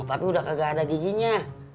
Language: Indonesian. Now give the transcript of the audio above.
tapi udah kagak ada giginya